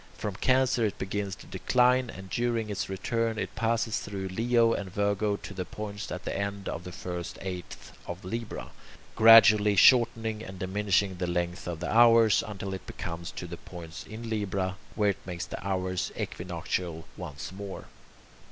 From Cancer it begins to decline, and during its return it passes through Leo and Virgo to the points at the end of the first eighth of Libra, gradually shortening and diminishing the length of the hours, until it comes to the points in Libra, where it makes the hours equinoctial once more.